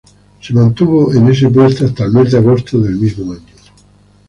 Se mantuvo en ese puesto hasta el mes de agosto del mismo año.